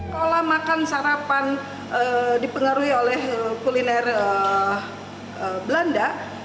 pola makan sarapan dipengaruhi oleh kuliner belanda